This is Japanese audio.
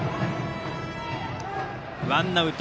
ワンアウト。